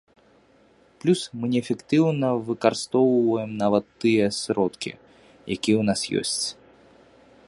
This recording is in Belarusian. Плюс мы неэфектыўна выкарыстоўваем нават тыя сродкі, якія ў нас ёсць.